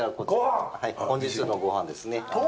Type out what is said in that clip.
本日のごはんですね。